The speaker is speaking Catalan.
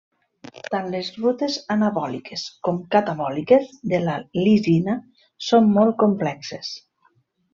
Tant les rutes anabòliques com catabòliques de la lisina són molt complexes.